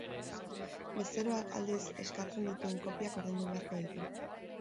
Bezeroak, aldiz, eskatzen dituen kopiak ordaindu beharko ditu.